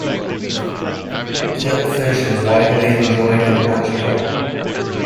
Clipfish is widely enjoyed in Portugal.